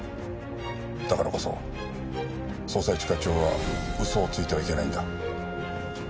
だからこそ捜査一課長は嘘をついてはいけないんだ。